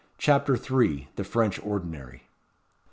CHAPTER III. The French ordinary.